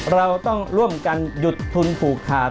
เราต้องร่วมกันหยุดทุนผูกขาด